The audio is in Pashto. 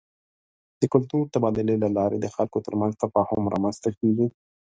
د کلتوري تبادلې له لارې د خلکو ترمنځ تفاهم رامنځته کېږي.